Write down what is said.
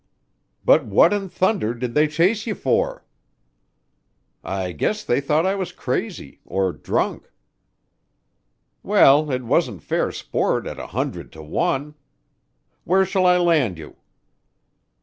"But what in thunder did they chase you for?" "I guess they thought I was crazy or drunk." "Well, it wasn't fair sport at a hundred to one. Where shall I land you?"